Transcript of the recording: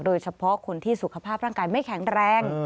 โดยเฉพาะคนที่สุขภาพร่างกายไม่แข็งแรง